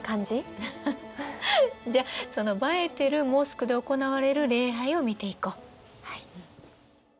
じゃその映えてるモスクで行われる礼拝を見ていこう。